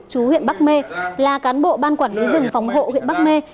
chú huyện bắc mê là cán bộ ban quản lý rừng phòng hộ huyện bắc mê